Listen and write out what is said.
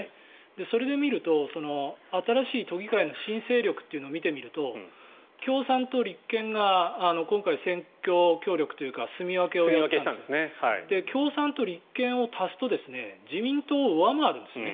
それで見ると新しい都議会の新勢力を見てみると共産と立憲が今回、選挙協力というかすみ分けをして共産党、立憲を足すと自民党を上回るんですね。